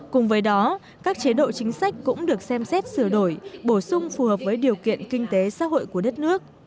cùng với đó các chế độ chính sách cũng được xem xét sửa đổi bổ sung phù hợp với điều kiện kinh tế xã hội của đất nước